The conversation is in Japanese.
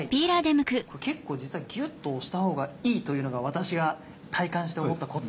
これ結構実はギュっと押した方がいいというのが私が体感して思ったコツ。